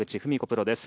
プロです。